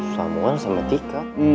samuel sama tika